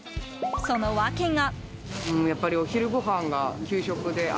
その訳が。